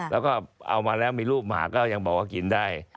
แล้วก็เอามาแล้วมีรูปหมาก็ยังบอกว่ากินได้